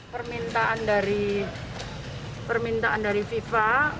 permintaan dari fifa